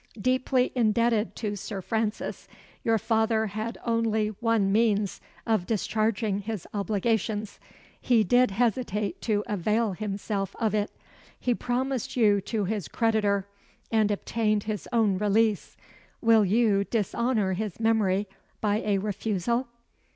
Deeply indebted to Sir Francis, your father had only one means of discharging his obligations. He did hesitate to avail himself of it. He promised you to his creditor, and obtained his own release. Will you dishonour his memory by a refusal?"